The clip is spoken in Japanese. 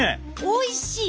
おいしい！